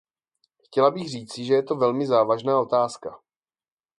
Chtěla bych říci, že je to velmi závažná otázka.